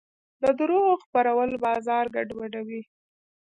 د دروغو خپرول بازار ګډوډوي.